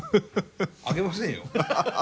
あげませんよ。